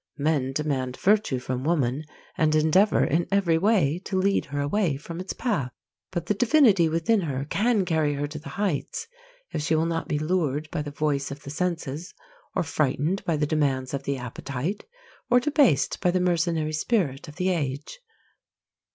Men demand virtue from woman and endeavour in every way to lead her away from its path. But the divinity within her can carry her to the heights, if she will not be lured by the voice of the senses, or frightened by the demands of the appetite, or debased by the mercenary spirit of the age.